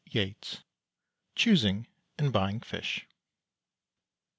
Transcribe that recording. PART I. _CHOOSING AND BUYING FISH.